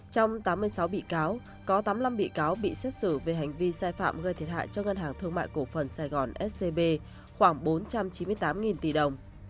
trong tám mươi sáu bị cáo có tám mươi năm bị cáo bị xét xử về hành vi sai phạm gây thiệt hại cho ngân hàng thương mại cổ phần sài gòn scb khoảng bốn trăm chín mươi tám tỷ đồng